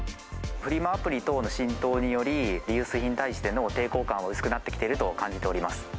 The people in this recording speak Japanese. フリマアプリ等の浸透により、リユースに対しての抵抗感は薄くなってきていると感じております。